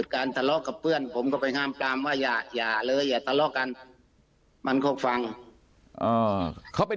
ทะเลาะกับเพื่อนผมก็ไปห้ามปรามว่าอย่าเลยอย่าทะเลาะกันมันก็ฟังเขาเป็น